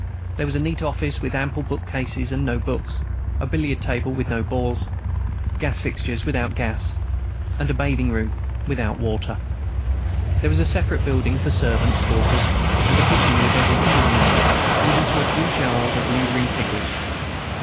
There was a neat office with ample bookcases and no books, a billiard table with no balls, gas fixtures without gas, and a bathing room without water. There was a separate building for servants' quarters, and a kitchen with every convenience, even to a few jars of lingering pickles.